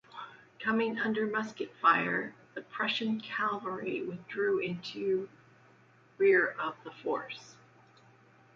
Coming under musket fire the Prussian cavalry withdrew into rear of the force.